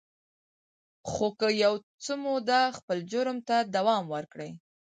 خو که یو څه موده خپل جرم ته دوام ورکړي